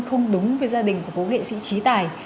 không đúng với gia đình của bố nghệ sĩ trí tài